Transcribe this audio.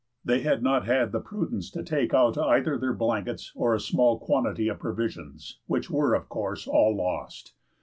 They had not had the prudence to take out either their blankets or a small quantity of provisions, which were, of course, all lost.